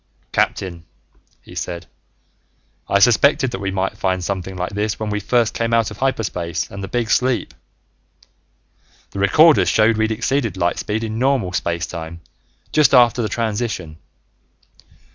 "Captain," he said, "I suspected that we might find something like this when we first came out of hyperspace and the big sleep. The recorders showed we'd exceeded light speed in normal space time just after the transition.